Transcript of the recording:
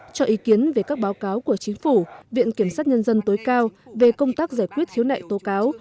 cho ý kiến về các báo cáo của chính phủ viện kiểm sát nhân dân tối cao về công tác giải quyết khiếu nại tố cáo